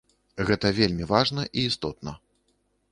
Гэта вельмі важна і істотна.